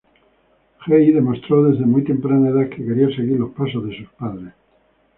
Jey demostró desde muy temprana edad que quería seguir los pasos de sus padres.